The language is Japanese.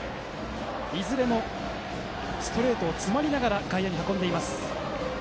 いずれもストレートを詰まりながら外野に運んでいます。